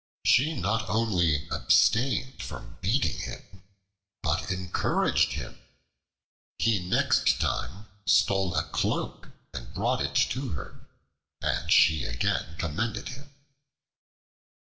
She not only abstained from beating him, but encouraged him. He next time stole a cloak and brought it to her, and she again commended him.